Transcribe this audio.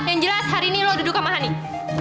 yang jelas hari ini lo duduk sama hanin